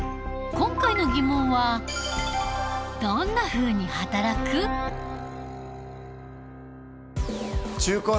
今回のテーマは「どんなふうに働くか」。